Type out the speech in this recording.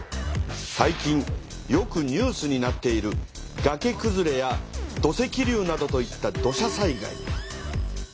最近よくニュースになっているがけくずれや土石流などといった土砂災害。